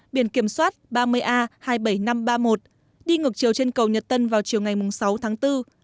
biển kiểm soát ba mươi a hai mươi bảy nghìn năm trăm ba mươi một đi ngược chiều trên cầu nhật tân vào chiều ngày sáu tháng bốn